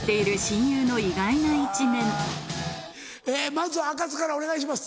まずはあかつからお願いします。